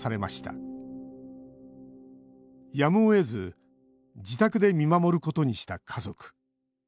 やむをえず自宅で見守ることにした家族。